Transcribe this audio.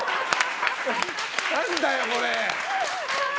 何だよこれ！